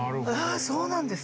そうなんですか？